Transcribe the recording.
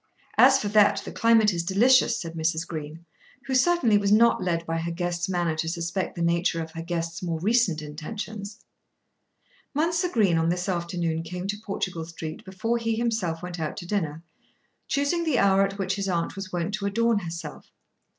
"As for that the climate is delicious," said Mrs. Green, who certainly was not led by her guest's manner to suspect the nature of her guest's more recent intentions. Mounser Green on this afternoon came to Portugal Street before he himself went out to dinner, choosing the hour at which his aunt was wont to adorn herself.